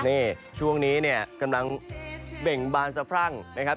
นี่ช่วงนี้เนี่ยกำลังเบ่งบานสะพรั่งนะครับ